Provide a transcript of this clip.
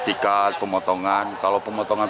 ikat pemotongan kalau pemotongan